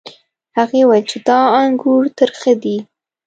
هغې وویل چې دا انګور ترخه دي.